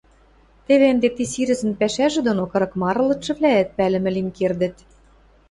Теве ӹнде ти сирӹзӹн пӓшӓжӹ доно кырык мары лыдшывлӓӓт пӓлӹмӹ лин кердӹт.